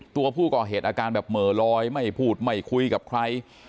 ตัวผู้ก่อเหตุอาการแบบเหม่อลอยไม่พูดไม่คุยกับใคร